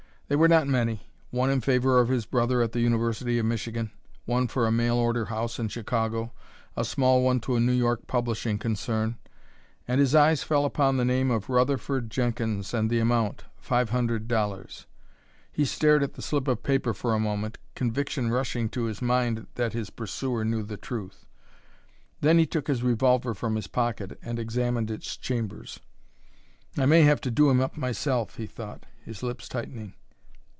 They were not many: one in favor of his brother at the University of Michigan, one for a mail order house in Chicago, a small one to a New York publishing concern, and his eyes fell upon the name of Rutherford Jenkins and the amount, five hundred dollars. He stared at the slip of paper for a moment, conviction rushing to his mind that his pursuer knew the truth; then he took his revolver from his pocket and examined its chambers. "I may have to do him up myself!" he thought, his lips tightening.